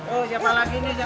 oh siapa lagi nih